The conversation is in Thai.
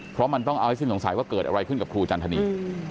เพราะมันต้องเอาให้สิ้นสงสัยว่าเกิดอะไรขึ้นกับครูจันทนี